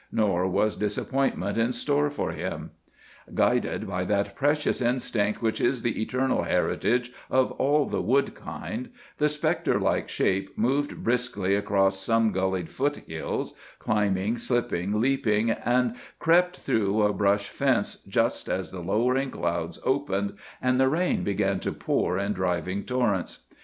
Nor was disappointment in store for him. Guided by that precious instinct which is the eternal heritage of all the wood kind, the spectre like shape moved briskly across some gullied foot hills, climbing, slipping, leaping, and crept through a brush fence just as the lowering clouds opened, and the rain began to pour in driving torrents.